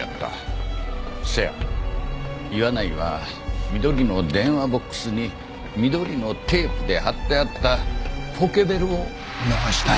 せや岩内は緑の電話ボックスに緑のテープで貼ってあったポケベルを見逃したんや。